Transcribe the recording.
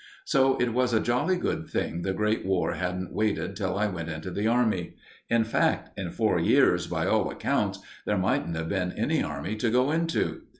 So it was a jolly good thing the Great War hadn't waited till I went into the Army. In fact, in four years, by all accounts, there mightn't have been any army to go into.